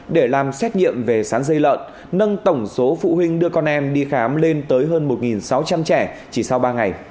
để làm xét nghiệm về sán dây lợn nâng tổng số phụ huynh đưa con em đi khám lên tới hơn một sáu trăm linh trẻ chỉ sau ba ngày